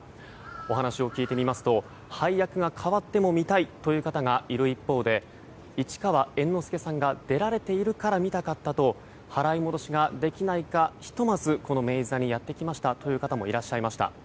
お話を聞いてみますと配役が変わっても見たいという方がいる一方で市川猿之助さんが出られているから見たかったと払い戻しができないかひとまず明治座にやってきましたという方もいらっしゃいました。